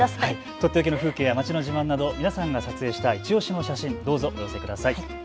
とっておきの風景や街の自慢などみなさんが撮影したいちオシの写真、どうぞお寄せください。